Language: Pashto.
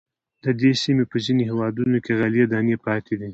د دې سیمې په ځینو هېوادونو کې غلې دانې پاتې دي.